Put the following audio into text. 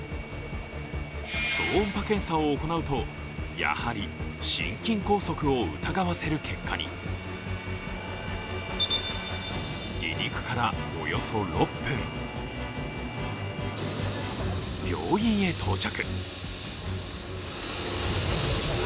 超音波検査を行うとやはり、心筋梗塞を疑わせる結果に離陸からおよそ６分、病院へ到着。